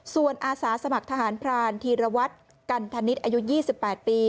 ส่วนอาสาสมัครทหารพรานธีรวัตรกันธนิษฐ์อายุ๒๘ปี